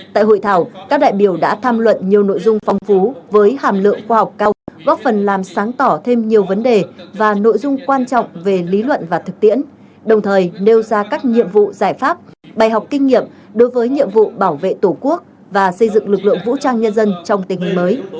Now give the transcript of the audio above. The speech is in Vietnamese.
tại hội thảo các đại biểu đã tham luận nhiều nội dung phong phú với hàm lượng khoa học cao góp phần làm sáng tỏ thêm nhiều vấn đề và nội dung quan trọng về lý luận và thực tiễn đồng thời nêu ra các nhiệm vụ giải pháp bài học kinh nghiệm đối với nhiệm vụ bảo vệ tổ quốc và xây dựng lực lượng vũ trang nhân dân trong tình hình mới